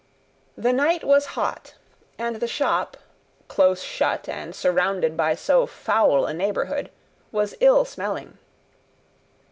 The night was hot, and the shop, close shut and surrounded by so foul a neighbourhood, was ill smelling.